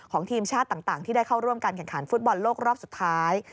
ทีมชาติต่างที่ได้เข้าร่วมการแข่งขันฟุตบอลโลกรอบสุดท้าย